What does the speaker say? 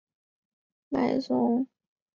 迈松瑟莱拉茹尔当。